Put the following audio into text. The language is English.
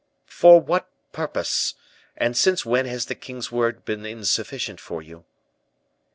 "For what purpose and since when has the king's word been insufficient for you?"